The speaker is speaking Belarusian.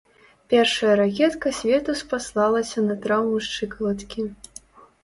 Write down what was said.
Першая ракетка свету спаслалася на траўму шчыкалаткі.